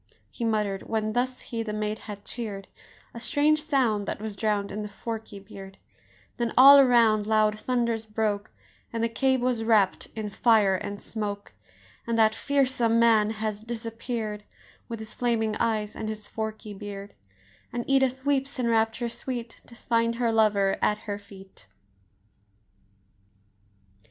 He mutter'd, when thus he the maid had cheer'd, A strange sound that was drown'd in the forky beard; Then all around loud thunders broke, And the cave was wrapp'd in fire and smoke, And that fearsome man has disappear'd With his flaming eyes and his forky beard; And Edith weeps in rapture sweet To find her lover at her feet!